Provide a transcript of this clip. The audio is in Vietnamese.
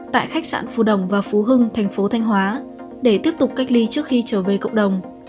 tại khách sạn phù đồng và phú hưng thành phố thanh hóa để tiếp tục cách ly trước khi trở về cộng đồng